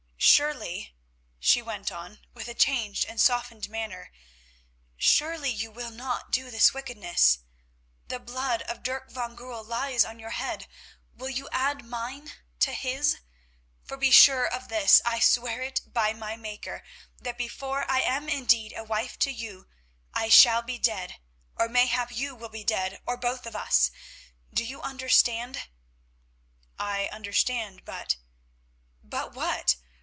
"Surely," she went on, with a changed and softened manner, "surely you will not do this wickedness. The blood of Dirk van Goorl lies on your head; will you add mine to his? For be sure of this, I swear it by my Maker, that before I am indeed a wife to you I shall be dead—or mayhap you will be dead, or both of us. Do you understand?" "I understand, but——" "But what?